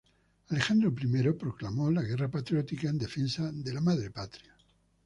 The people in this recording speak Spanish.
Alejandro I proclamó la Guerra Patriótica en defensa de la Madre Patria.